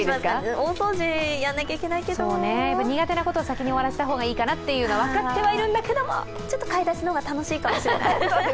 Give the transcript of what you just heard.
大掃除やらなきゃいけないけど苦手なことを先に終わらせた方がいいかなっていうのは分かってるんだけれどもちょっと買い出しの方が楽しいかもしれない。